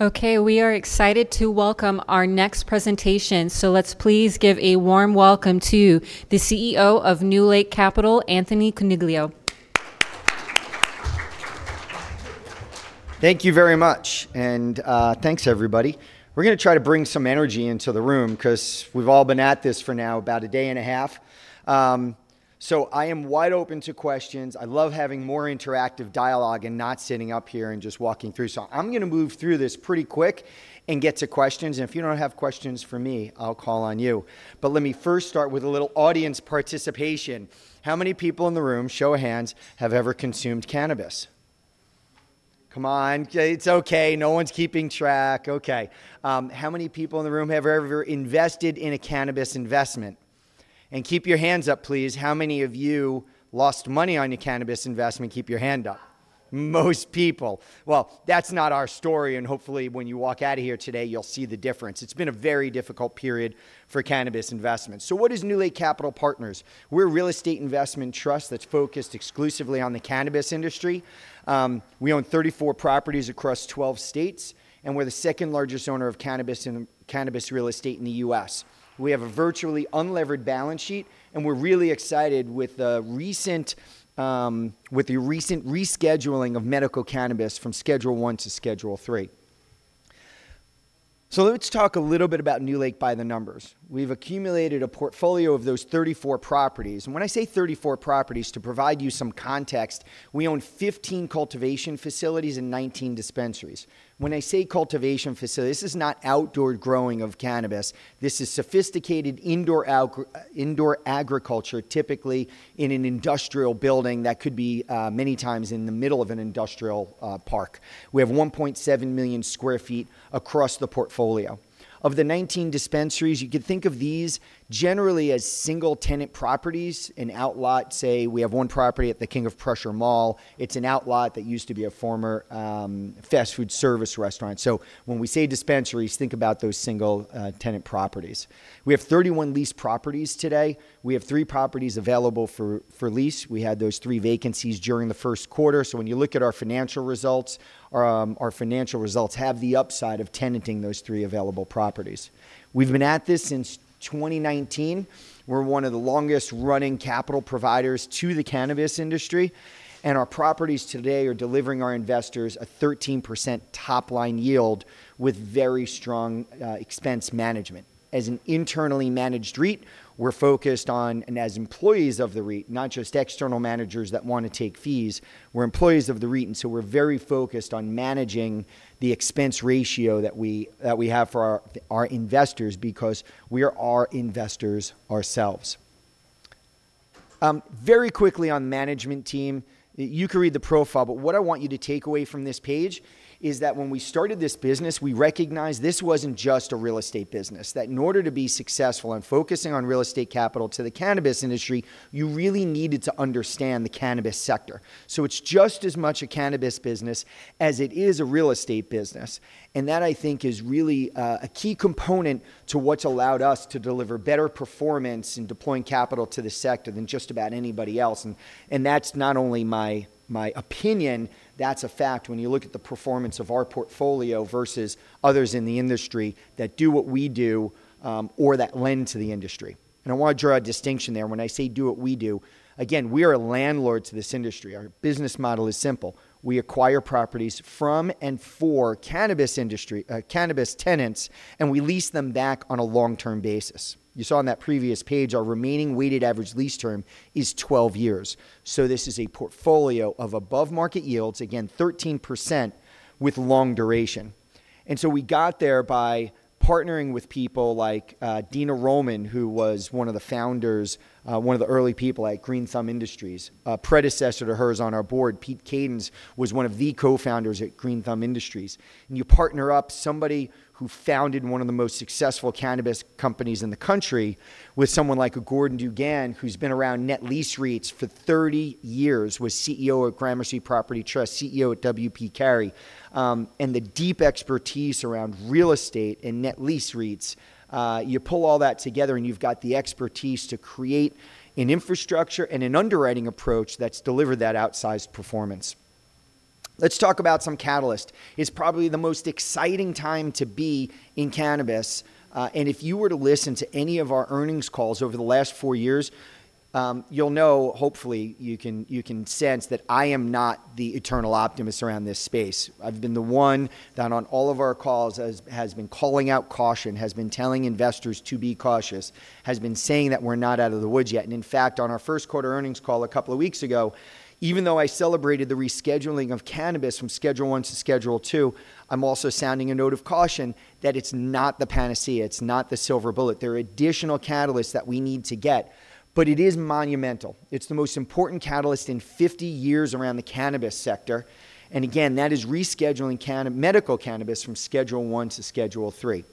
Okay, we are excited to welcome our next presentation. Let's please give a warm welcome to the CEO of NewLake Capital, Anthony Coniglio. Thank you very much. Thanks everybody. We're gonna try to bring some energy into the room 'cause we've all been at this for now about a day and a half. I am wide open to questions. I love having more interactive dialogue and not sitting up here and just walking through. I'm gonna move through this pretty quick and get to questions. If you don't have questions for me, I'll call on you. Let me first start with a little audience participation. How many people in the room, show of hands, have ever consumed cannabis? Come on. It's okay. No one's keeping track. Okay. How many people in the room have ever invested in a cannabis investment? Keep your hands up, please. How many of you lost money on your cannabis investment? Keep your hand up. Most people. Well, that's not our story, and hopefully when you walk out of here today, you'll see the difference. It has been a very difficult period for cannabis investment. What is NewLake Capital Partners? We're a real estate investment trust that's focused exclusively on the cannabis industry. We own 34 properties across 12 states, and we're the second largest owner of cannabis and cannabis real estate in the U.S. We have a virtually unlevered balance sheet, and we're really excited with the recent, with the recent rescheduling of medical cannabis from Schedule I to Schedule III. Let's talk a little bit about NewLake by the numbers. We've accumulated a portfolio of those 34 properties. When I say 34 properties, to provide you some context, we own 15 cultivation facilities and 19 dispensaries. When I say cultivation facilities, this is not outdoor growing of cannabis. This is sophisticated indoor agriculture, typically in an industrial building that could be many times in the middle of an industrial park. We have 1.7 million square feet across the portfolio. Of the 19 dispensaries, you could think of these generally as single-tenant properties and outlots. Say, we have one property at the King of Prussia Mall. It's an outlot that used to be a former fast food service restaurant. When we say dispensaries, think about those single tenant properties. We have 31 leased properties today. We have three properties available for lease. We had those three vacancies during the first quarter. When you look at our financial results, our financial results have the upside of tenanting those three available properties. We've been at this since 2019. We're one of the longest running capital providers to the cannabis industry. Our properties today are delivering our investors a 13% top-line yield with very strong expense management. As an internally managed REIT, we're focused on, and as employees of the REIT, not just external managers that wanna take fees, we're employees of the REIT. We're very focused on managing the expense ratio that we have for our investors because we are our investors ourselves. Very quickly on management team, you can read the profile. What I want you to take away from this page is that when we started this business, we recognized this wasn't just a real estate business. That in order to be successful in focusing on real estate capital to the cannabis industry, you really needed to understand the cannabis sector. It's just as much a cannabis business as it is a real estate business. That I think is really a key component to what's allowed us to deliver better performance in deploying capital to the sector than just about anybody else. That's not only my opinion, that's a fact when you look at the performance of our portfolio versus others in the industry that do what we do or that lend to the industry. I wanna draw a distinction there. When I say do what we do, again, we are a landlord to this industry. Our business model is simple. We acquire properties from and for cannabis industry, cannabis tenants, and we lease them back on a long-term basis. You saw on that previous page, our remaining weighted average lease term is 12 years. This is a portfolio of above-market yields, again, 13% with long duration. We got there by partnering with people like Dina Rollman, who was one of the founders, one of the early people at Green Thumb Industries. A predecessor to hers on our board, Pete Kadens, was one of the co-founders at Green Thumb Industries. You partner up somebody who founded one of the most successful cannabis companies in the country with someone like a Gordon DuGan, who's been around net lease REITs for 30 years, was CEO at Gramercy Property Trust, CEO at W. P. Carey, and the deep expertise around real estate and net lease REITs. You pull all that together, you've got the expertise to create an infrastructure and an underwriting approach that's delivered that outsized performance. Let's talk about some catalyst. It's probably the most exciting time to be in cannabis. If you were to listen to any of our earnings calls over the last four years, you'll know, hopefully, you can, you can sense that I am not the eternal optimist around this space. I've been the one that on all of our calls has been calling out caution, has been telling investors to be cautious, has been saying that we're not out of the woods yet. In fact, on our first quarter earnings call a couple of weeks ago, even though I celebrated the rescheduling of cannabis from Schedule I to Schedule II, I'm also sounding a note of caution that it's not the panacea. It's not the silver bullet. There are additional catalysts that we need to get, but it is monumental. It's the most important catalyst in 50 years around the cannabis sector. Again, that is rescheduling medical cannabis from Schedule I to Schedule III.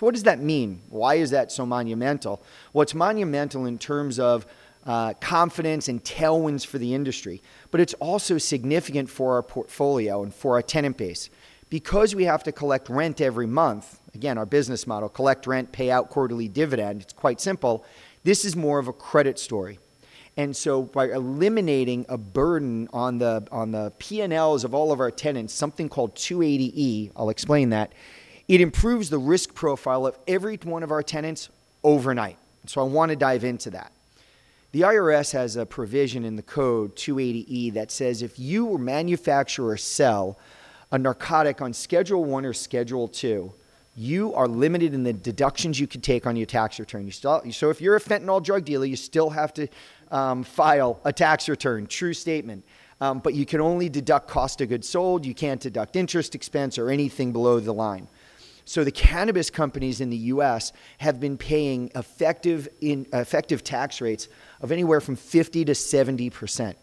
What does that mean? Why is that so monumental? Well, it's monumental in terms of confidence and tailwinds for the industry, but it's also significant for our portfolio and for our tenant base. Because we have to collect rent every month, again, our business model, collect rent, pay out quarterly dividend, it's quite simple, this is more of a credit story. By eliminating a burden on the P&Ls of all of our tenants, something called Section 280E, I'll explain that, it improves the risk profile of every one of our tenants overnight. I want to dive into that. The IRS has a provision in the code 280E that says if you manufacture or sell a narcotic on Schedule I or Schedule II, you are limited in the deductions you can take on your tax return. If you're a fentanyl drug dealer, you still have to file a tax return. True statement. You can only deduct cost of goods sold. You can't deduct interest expense or anything below the line. The cannabis companies in the U.S. have been paying effective tax rates of anywhere from 50%-70%.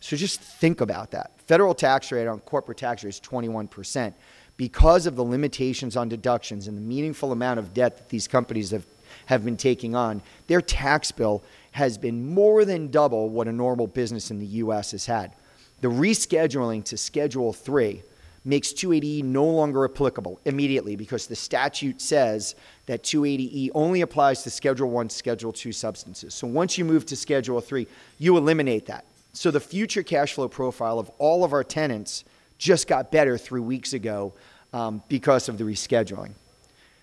Just think about that. Federal tax rate on corporate tax rate is 21%. Because of the limitations on deductions and the meaningful amount of debt that these companies have been taking on, their tax bill has been more than double what a normal business in the U.S. has had. The rescheduling to Schedule III makes 280E no longer applicable immediately because the statute says that 280E only applies to Schedule I, Schedule II substances. Once you move to Schedule III, you eliminate that. The future cash flow profile of all of our tenants just got better three weeks ago because of the rescheduling.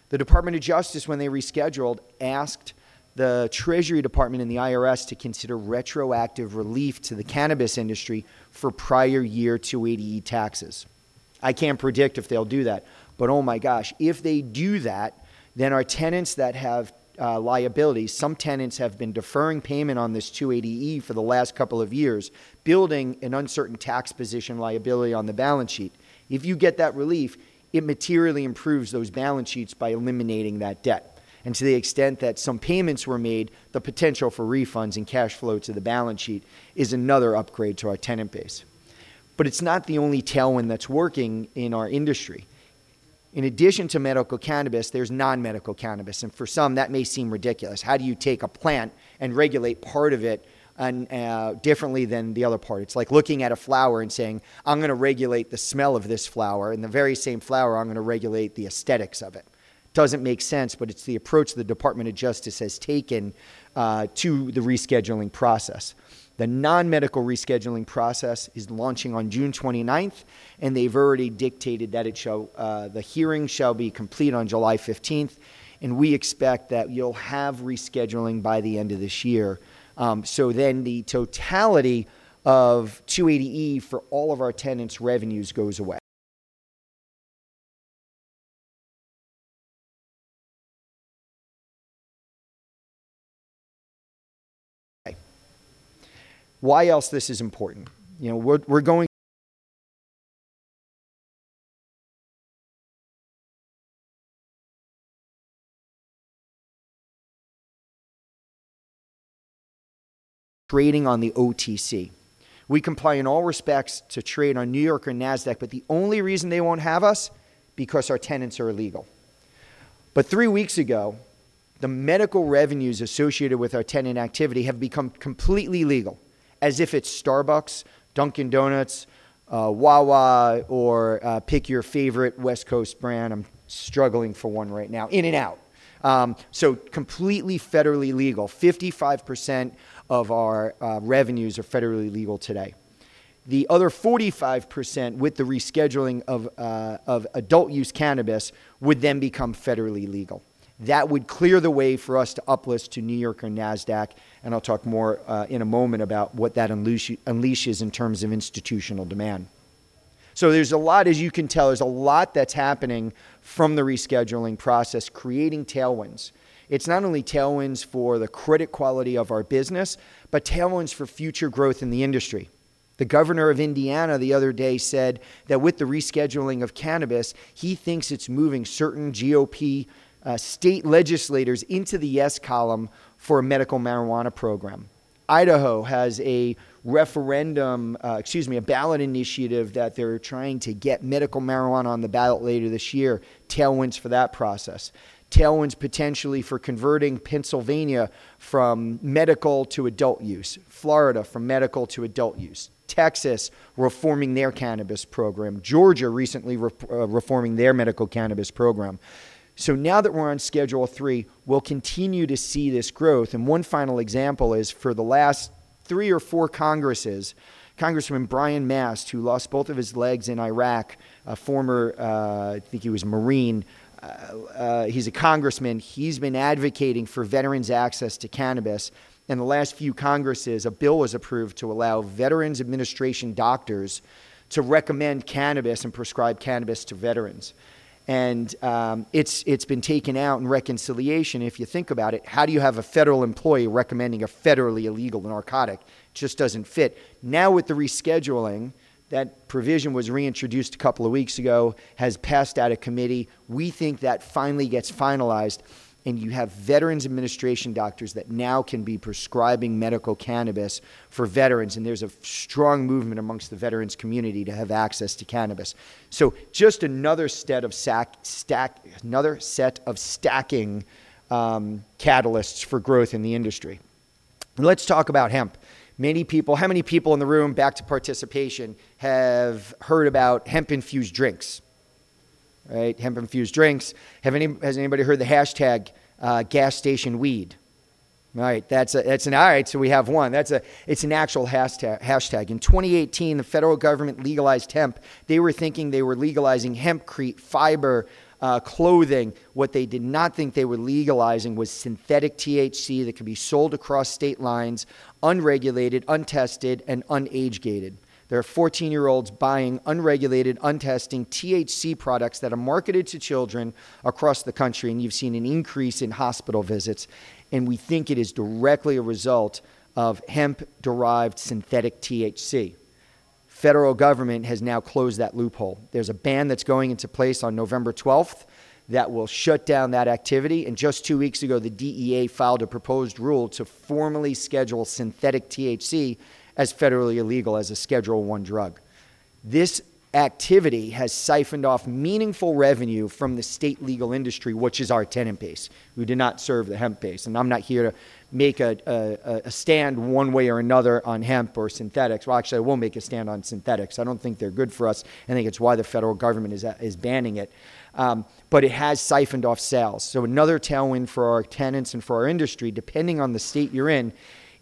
The Department of Justice, when they rescheduled, asked the Treasury Department and the IRS to consider retroactive relief to the cannabis industry for prior year 280E taxes. I can't predict if they'll do that, oh my gosh, if they do that, then our tenants that have liability, some tenants have been deferring payment on this Section 280E for the last couple of years, building an uncertain tax position liability on the balance sheet. If you get that relief, it materially improves those balance sheets by eliminating that debt. To the extent that some payments were made, the potential for refunds and cash flow to the balance sheet is another upgrade to our tenant base. It's not the only tailwind that's working in our industry. In addition to medical cannabis, there's non-medical cannabis, and for some, that may seem ridiculous. How do you take a plant and regulate part of it differently than the other part? It's like looking at a flower and saying, "I'm gonna regulate the smell of this flower, and the very same flower, I'm gonna regulate the aesthetics of it." Doesn't make sense, but it's the approach the Department of Justice has taken to the rescheduling process. The non-medical rescheduling process is launching on June 29th. They've already dictated that it shall, the hearing shall be complete on July 15th. We expect that you'll have rescheduling by the end of this year. The totality of 280E for all of our tenants' revenues goes away. Why else this is important? You know, we're going trading on the OTC. We comply in all respects to trade on New York or Nasdaq, the only reason they won't have us, because our tenants are illegal. Three weeks ago, the medical revenues associated with our tenant activity have become completely legal, as if it's Starbucks, Dunkin' Donuts, Wawa, or pick your favorite West Coast brand. I'm struggling for one right now. In-N-Out. Completely federally legal. 55% of our revenues are federally legal today. The other 45% with the rescheduling of adult use cannabis would then become federally legal. That would clear the way for us to uplist to New York or Nasdaq, and I'll talk more in a moment about what that unleashes in terms of institutional demand. There's a lot, as you can tell, there's a lot that's happening from the rescheduling process, creating tailwinds. It's not only tailwinds for the credit quality of our business, but tailwinds for future growth in the industry. The governor of Indiana the other day said that with the rescheduling of cannabis, he thinks it's moving certain GOP state legislators into the yes column for a medical marijuana program. Idaho has a referendum, excuse me, a ballot initiative that they're trying to get medical marijuana on the ballot later this year. Tailwinds for that process. Tailwinds potentially for converting Pennsylvania from medical to adult use. Florida from medical to adult use. Texas reforming their cannabis program. Georgia recently reforming their medical cannabis program. Now that we're on Schedule III, we'll continue to see this growth. One final example is for the last three or four Congresses, Congressman Brian Mast, who lost both of his legs in Iraq, a former, I think he was Marine, he's a congressman. He's been advocating for veterans' access to cannabis. In the last few Congresses, a bill was approved to allow Veterans Administration doctors to recommend cannabis and prescribe cannabis to veterans. It's been taken out in reconciliation. If you think about it, how do you have a federal employee recommending a federally illegal narcotic? Just doesn't fit. Now with the rescheduling, that provision was reintroduced a couple of weeks ago, has passed out of committee. We think that finally gets finalized, and you have Veterans Administration doctors that now can be prescribing medical cannabis for veterans. There's a strong movement amongst the veterans community to have access to cannabis. Just another set of stacking catalysts for growth in the industry. Let's talk about hemp. How many people in the room, back to participation, have heard about hemp-infused drinks? Right? Hemp-infused drinks. Has anybody heard the hashtag, gas station weed? Right? All right, so we have one. It's an actual hashtag. In 2018, the federal government legalized hemp. They were thinking they were legalizing hempcrete, fiber, clothing. What they did not think they were legalizing was synthetic THC that could be sold across state lines, unregulated, untested, and un-age-gated. There are 14-year-olds buying unregulated, untested THC products that are marketed to children across the country. You've seen an increase in hospital visits, and we think it is directly a result of hemp-derived synthetic THC. Federal government has now closed that loophole. There's a ban that's going into place on November 12th that will shut down that activity. Just two weeks ago, the DEA filed a proposed rule to formally schedule synthetic THC as federally illegal as a Schedule I drug. This activity has siphoned off meaningful revenue from the state legal industry, which is our tenant base. We do not serve the hemp base. I'm not here to make a stand one way or another on hemp or synthetics. Well, actually, I will make a stand on synthetics. I don't think they're good for us. I think it's why the federal government is banning it. It has siphoned off sales. Another tailwind for our tenants and for our industry, depending on the state you're in,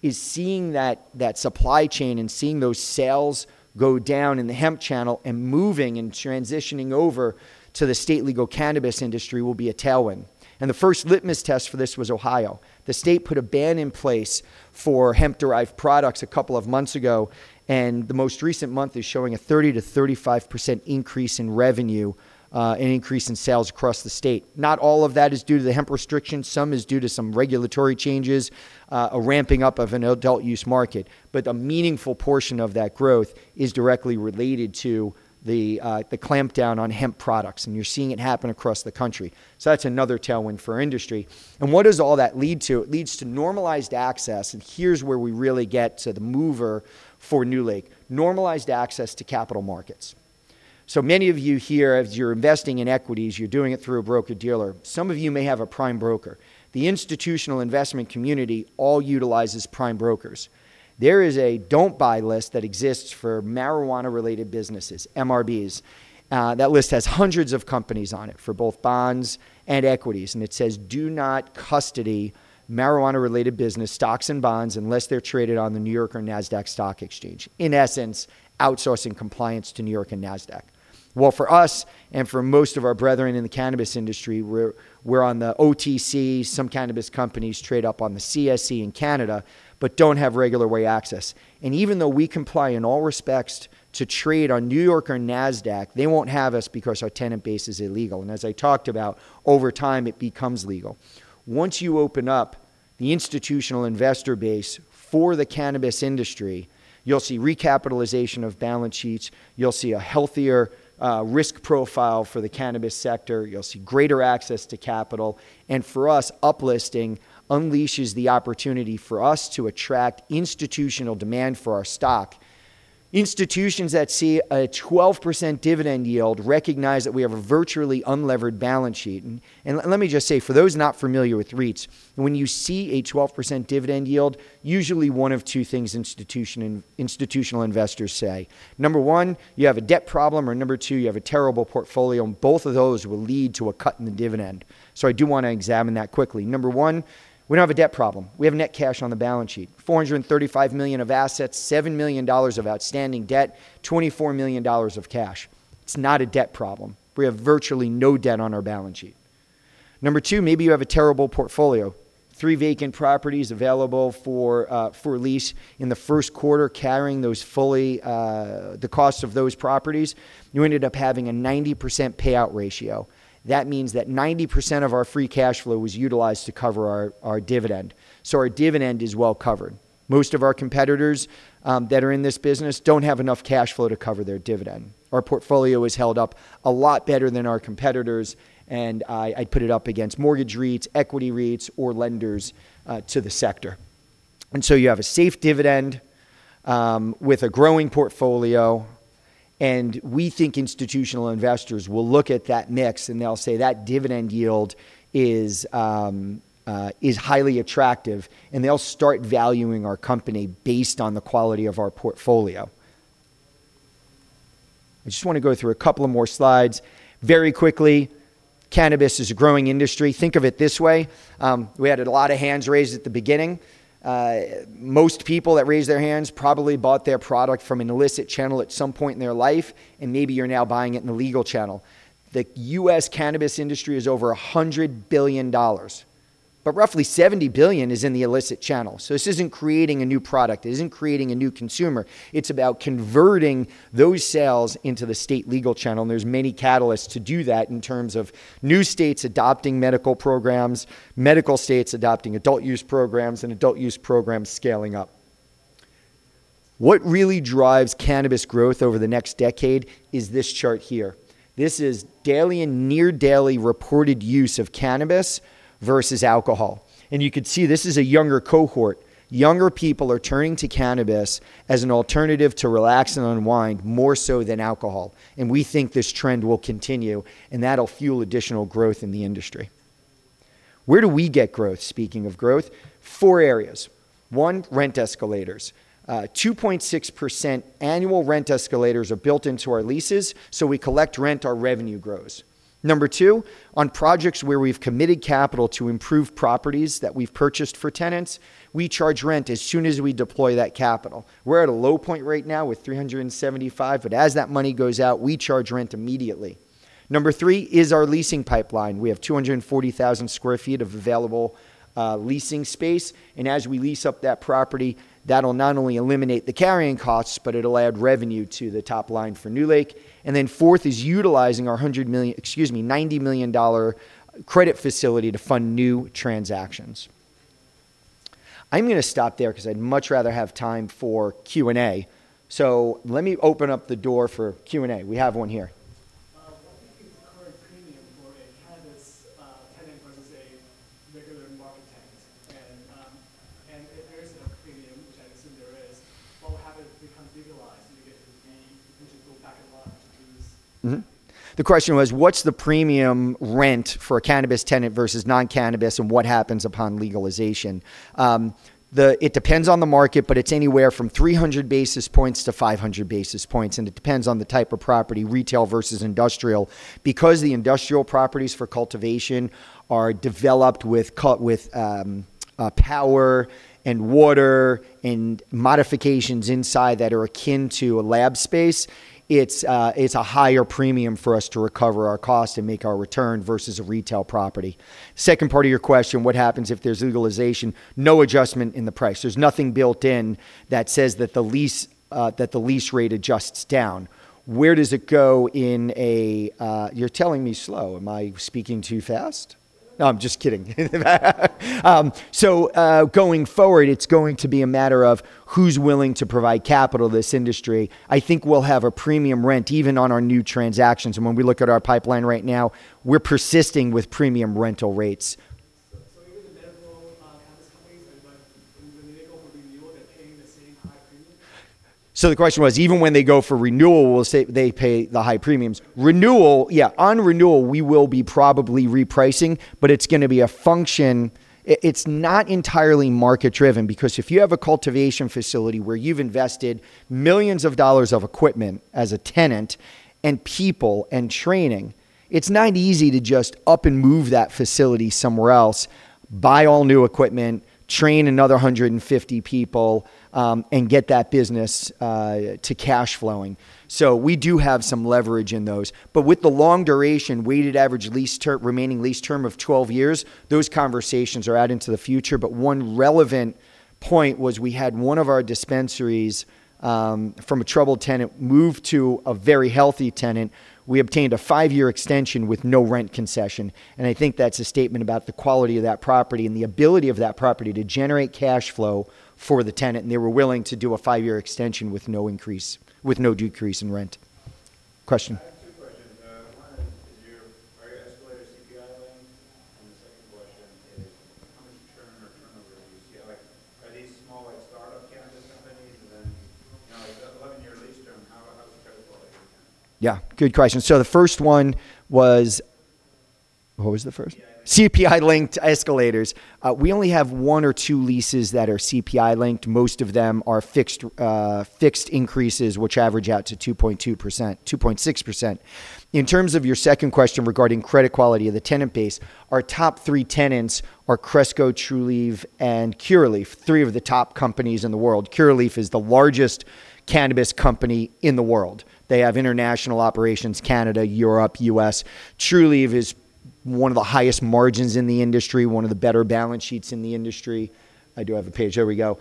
is seeing that supply chain and seeing those sales go down in the hemp channel and moving and transitioning over to the state legal cannabis industry will be a tailwind. The first litmus test for this was Ohio. The state put a ban in place for hemp-derived products a couple of months ago, and the most recent month is showing a 30%-35% increase in revenue, an increase in sales across the state. Not all of that is due to the hemp restrictions. Some is due to some regulatory changes, a ramping up of an adult use market. A meaningful portion of that growth is directly related to the clampdown on hemp products, and you're seeing it happen across the country. That's another tailwind for our industry. What does all that lead to? It leads to normalized access, and here's where we really get to the mover for NewLake, normalized access to capital markets. Many of you here, as you're investing in equities, you're doing it through a broker-dealer. Some of you may have a prime broker. The institutional investment community all utilizes prime brokers. There is a don't buy list that exists for marijuana-related businesses, MRBs. That list has hundreds of companies on it for both bonds and equities, and it says, "Do not custody marijuana-related business stocks and bonds unless they're traded on the New York or Nasdaq Stock Exchange." In essence, outsourcing compliance to New York and Nasdaq. For us and for most of our brethren in the cannabis industry, we're on the OTC. Some cannabis companies trade up on the CSE in Canada but don't have regular way access. Even though we comply in all respects to trade on New York or Nasdaq, they won't have us because our tenant base is illegal. As I talked about, over time, it becomes legal. Once you open up the institutional investor base for the cannabis industry, you'll see recapitalization of balance sheets. You'll see a healthier risk profile for the cannabis sector. You'll see greater access to capital. For us, up-listing unleashes the opportunity for us to attract institutional demand for our stock. Institutions that see a 12% dividend yield recognize that we have a virtually unlevered balance sheet. Let me just say, for those not familiar with REITs, when you see a 12% dividend yield, usually one of two things institutional investors say: Number one, you have a debt problem, or number two, you have a terrible portfolio, and both of those will lead to a cut in the dividend. I do wanna examine that quickly. Number one, we don't have a debt problem. We have net cash on the balance sheet, $435 million of assets, $7 million of outstanding debt, $24 million of cash. It's not a debt problem. We have virtually no debt on our balance sheet. Number two, maybe you have a terrible portfolio. Three vacant properties available for lease in the 1st quarter, carrying those fully the cost of those properties. You ended up having a 90% payout ratio. That means that 90% of our free cash flow was utilized to cover our dividend. Our dividend is well covered. Most of our competitors that are in this business don't have enough cash flow to cover their dividend. Our portfolio has held up a lot better than our competitors, I'd put it up against mortgage REITs, equity REITs, or lenders to the sector. You have a safe dividend with a growing portfolio, we think institutional investors will look at that mix, they'll say that dividend yield is highly attractive, they'll start valuing our company based on the quality of our portfolio. I just wanna go through a couple of more slides very quickly. Cannabis is a growing industry. Think of it this way. We had a lot of hands raised at the beginning. Most people that raised their hands probably bought their product from an illicit channel at some point in their life, and maybe you're now buying it in the legal channel. The U.S. cannabis industry is over $100 billion, but roughly $70 billion is in the illicit channel. This isn't creating a new product. It isn't creating a new consumer. It's about converting those sales into the state legal channel, and there's many catalysts to do that in terms of new states adopting medical programs, medical states adopting adult use programs, and adult use programs scaling up. What really drives cannabis growth over the next decade is this chart here. This is daily and near-daily reported use of cannabis versus alcohol. You can see this is a younger cohort. Younger people are turning to cannabis as an alternative to relax and unwind more so than alcohol. We think this trend will continue, and that'll fuel additional growth in the industry. Where do we get growth, speaking of growth? Four areas. One, rent escalators. 2.6% annual rent escalators are built into our leases, so we collect rent, our revenue grows. Number two, on projects where we've committed capital to improve properties that we've purchased for tenants, we charge rent as soon as we deploy that capital. We're at a low point right now with 375. As that money goes out, we charge rent immediately. Number three is our leasing pipeline. We have 240,000 sq ft of available leasing space. As we lease up that property, that'll not only eliminate the carrying costs, but it'll add revenue to the top line for NewLake. Then fourth is utilizing our $90 million credit facility to fund new transactions. I'm gonna stop there 'cause I'd much rather have time for Q&A. Let me open up the door for Q&A. We have one here. What do you think the current premium for a cannabis tenant versus a regular market tenant? If there is a premium, which I assume there is, what will happen if it becomes legalized and you get the potential backlog of these? The question was, what's the premium rent for a cannabis tenant versus non-cannabis, and what happens upon legalization? It depends on the market, but it's anywhere from 300 basis points to 500 basis points, and it depends on the type of property, retail versus industrial. Because the industrial properties for cultivation are developed with power and water and modifications inside that are akin to a lab space, it's a higher premium for us to recover our cost and make our return versus a retail property. Second part of your question, what happens if there's legalization? No adjustment in the price. There's nothing built in that says that the lease rate adjusts down. Where does it go in a You're telling me slow. Am I speaking too fast? No. No, I'm just kidding. Going forward, it's going to be a matter of who's willing to provide capital to this industry. I think we'll have a premium rent even on our new transactions. When we look at our pipeline right now, we're persisting with premium rental rates. Even the medical cannabis companies, like when they go for renewal, they're paying the same high premium? The question was, even when they go for renewal, will say they pay the high premiums. Renewal, yeah. On renewal, we will be probably repricing, but it's gonna be a function. It's not entirely market driven because if you have a cultivation facility where you've invested millions of dollars of equipment as a tenant and people and training, it's not easy to just up and move that facility somewhere else, buy all new equipment, train another 150 people and get that business to cash flowing. We do have some leverage in those. With the long duration, weighted average remaining lease term of 12 years, those conversations are out into the future. One relevant point was we had one of our dispensaries from a troubled tenant move to a very healthy tenant. We obtained a five-year extension with no rent concession. I think that's a statement about the quality of that property and the ability of that property to generate cash flow for the tenant. They were willing to do a five-year extension with no increase with no decrease in rent. Question. I have two questions. One is, are your escalators CPI linked? The second question is, how much churn or turnover do you see? Like are these small, like startup cannabis companies? You know, like the 11-year lease term, how does the credit quality compare? Yeah, good question. The first one was What was the first? CPI linked. CPI linked escalators. We only have one or two leases that are CPI linked. Most of them are fixed increases, which average out to 2.2%, 2.6%. In terms of your second question regarding credit quality of the tenant base, our top three tenants are Cresco, Trulieve, and Curaleaf, three of the top companies in the world. Curaleaf is the largest cannabis company in the world. They have international operations, Canada, Europe, U.S. Trulieve is one of the highest margins in the industry, one of the better balance sheets in the industry. I do have a page. There we go.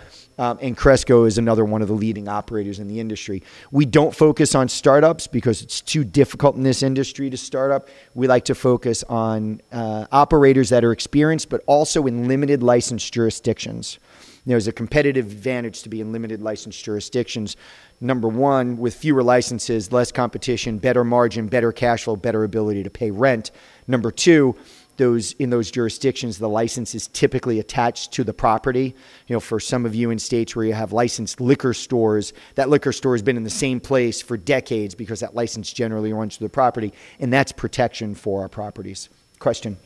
Cresco is another one of the leading operators in the industry. We don't focus on startups because it's too difficult in this industry to start up. We like to focus on, operators that are experienced, but also in limited license jurisdictions. There's a competitive advantage to be in limited license jurisdictions. Number one, with fewer licenses, less competition, better margin, better cash flow, better ability to pay rent. Number two, in those jurisdictions, the license is typically attached to the property. You know, for some of you in states where you have licensed liquor stores, that liquor store has been in the same place for decades because that license generally runs through the property. That's protection for our properties. Question.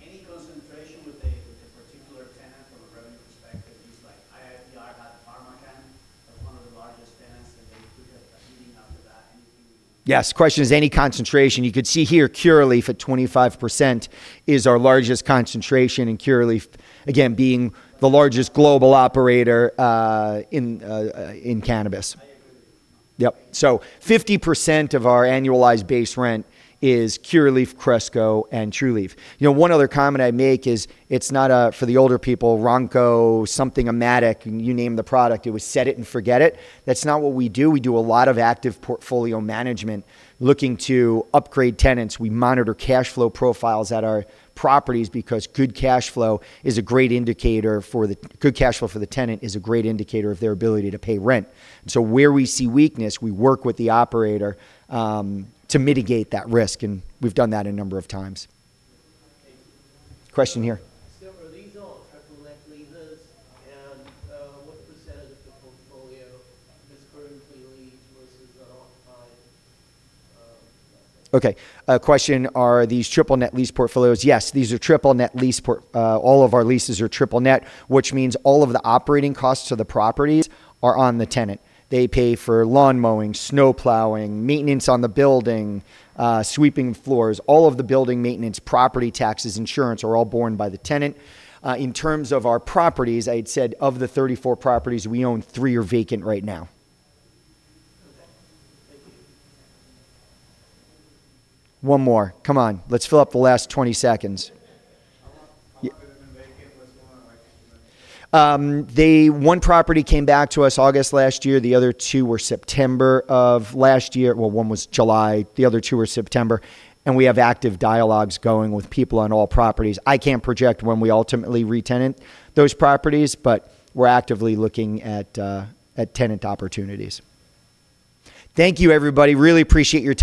Any concentration with a particular tenant from a revenue perspective? Just like IIPR had PharmaCann as one of the largest tenants, and then you took a hitting after that. Anything with? Yes. Question is any concentration. You could see here Curaleaf at 25% is our largest concentration, and Curaleaf, again, being the largest global operator in cannabis. Yep. 50% of our annualized base rent is Curaleaf, Cresco, and Trulieve. You know, one other comment I'd make is it's not a, for the older people, Ronco something-a-matic, and you name the product, it was set it and forget it. That's not what we do. We do a lot of active portfolio management looking to upgrade tenants. We monitor cash flow profiles at our properties because Good cash flow for the tenant is a great indicator of their ability to pay rent. Where we see weakness, we work with the operator to mitigate that risk, and we've done that a number of times. Okay. Question here. Are these all triple net leases? What percentage of the portfolio is currently leased? Question, are these triple net lease portfolios? Yes, these are triple net lease, all of our leases are triple net, which means all of the operating costs of the properties are on the tenant. They pay for lawn mowing, snow plowing, maintenance on the building, sweeping floors. All of the building maintenance, property taxes, insurance are all borne by the tenant. In terms of our properties, I had said of the 34 properties we own, three are vacant right now. Okay. Thank you. One more. Come on. Let's fill up the last 20 seconds. How long have they been vacant? What's going on? One property came back to us August last year. The other two were September of last year. Well, one was July. The other two were September. We have active dialogues going with people on all properties. I can't project when we ultimately re-tenant those properties, but we're actively looking at tenant opportunities. Thank you, everybody. Really appreciate your time.